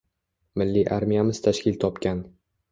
Milliy armiyamiz tashkil topgan